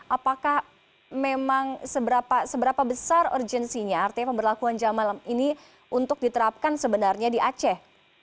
apakah memang seberapa besar urgensinya artinya pemberlakuan jam malam ini untuk diterapkan sebenarnya di aceh